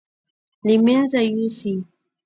له مېنځه يوسي.